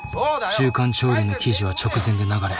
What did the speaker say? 「週刊潮流」の記事は直前で流れ。